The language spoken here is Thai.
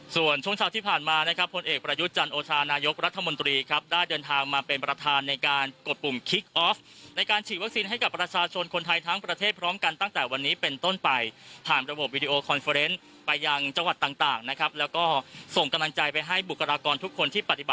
ส่วนช่วงเช้าที่ผ่านมานะครับผลเอกประยุทธ์จันโอชานายกรัฐมนตรีครับได้เดินทางมาเป็นประธานในการกดปุ่มคิกออฟในการฉีดวัคซีนให้กับประชาชนคนไทยทั้งประเทศพร้อมกันตั้งแต่วันนี้เป็นต้นไปผ่านระบบวิดีโอคอนเฟอร์เนสไปยังจังหวัดต่างนะครับแล้วก็ส่งกำลังใจไปให้บุคลากรทุกคนที่ปฏิบัติ